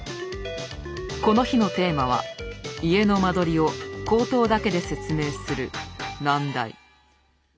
この日のテーマは家の間取りを口頭だけで説明する難題。